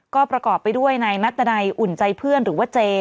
ก็ประกอบไปด้วยนายนัดดันัยอุ่นใจเพื่อนหรือว่าเจ